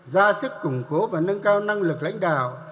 ra sức củng cố và nâng cao năng lực lãnh đạo